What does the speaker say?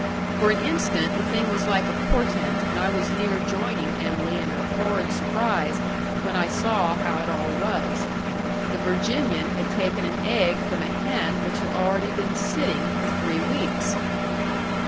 For an instant the thing was like a portent, and I was near joining Em'ly in her horrid surprise, when I saw how it all was. The Virginian had taken an egg from a hen which had already been sitting for three weeks.